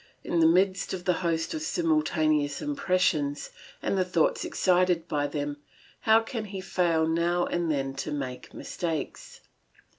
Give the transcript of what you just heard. In the midst of this host of simultaneous impressions and the thoughts excited by them, how can he fail now and then to make mistakes?